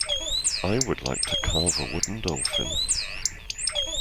I would like to carve a wooden dolphin.